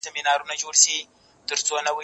زه کتابتون ته راتګ کړی دی،